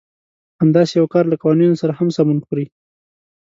همداسې يو کار له قوانينو سره هم سمون خوري.